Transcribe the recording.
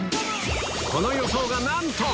この予想がなんと！